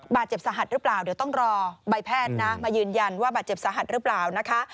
บาดเจ็บสาหัสหรือเปล่าเดี๋ยวต้องรอใบแพทย์นะมายืนยันว่าบาดเจ็บสาหัสหรือเปล่านะคะ